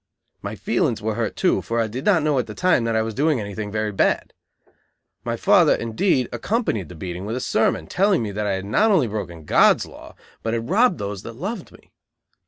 My feelings were hurt, too, for I did not know at that time that I was doing anything very bad. My father, indeed, accompanied the beating with a sermon, telling me that I had not only broken God's law but had robbed those that loved me.